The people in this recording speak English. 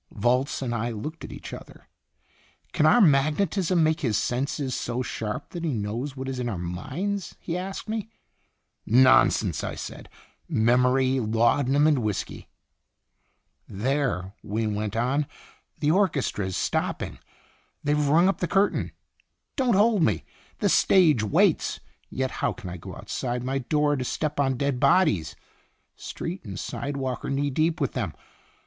Volz and I looked at each other. "Can our magnetism make his senses so sharp that he knows what is in our minds?" he asked me. "Nonsense!" I said. "Memory, laudanum, and whisky." "There," Wynne went on, "the orchestra 1 8 &n Itinerant is stopping. They 've rung up the curtain. Don't hold me. The stage waits, yet how can I go outside my door to step on dead bodies ? Street and sidewalk are knee deep with them.